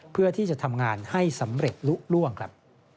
เพื่อที่จะทำงานให้สำเร็จลุล่วงครับ